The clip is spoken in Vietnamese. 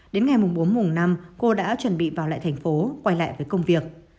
đến ngày bốn mùng năm cô đã chuẩn bị vào lại thành phố quay lại với công việc